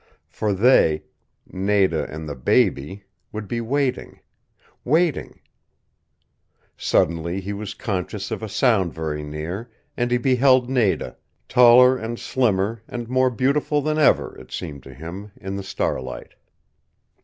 For they NADA AND THE BABY would be waiting waiting Suddenly he was conscious of a sound very near, and he beheld Nada, taller and slimmer and more beautiful than ever, it seemed to him, in the starlight.